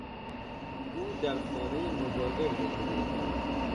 او در خانهی مجاور زندگی می کند.